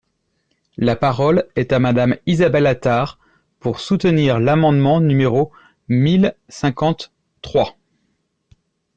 La parole est à Madame Isabelle Attard, pour soutenir l’amendement numéro mille cinquante-trois.